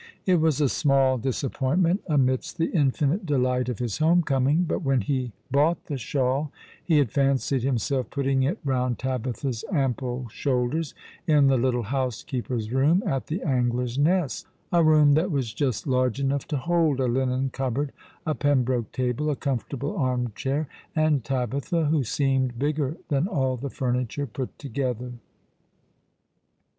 It was a small disappointment amidst the infinite delight of his home coming, but when he bought the shav/1 he had fancied himself putting it round Tabitha's ample shoulders in the little housekeeper's room at the Angler's Nest, a room that was just large enougli to hold a linen cupboard, a Pembroke table, a comfortable armchair, and Tabitha, who seemed bigger than all the furniture put together.